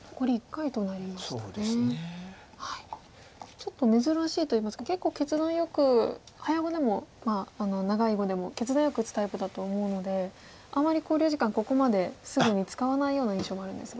ちょっと珍しいといいますか結構決断よく早碁でも長い碁でも決断よく打つタイプだと思うのであまり考慮時間ここまですぐに使わないような印象があるんですが。